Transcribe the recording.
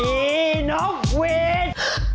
พี่วัน